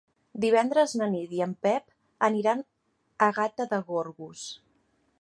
Divendres na Nit i en Pep aniran a Gata de Gorgos.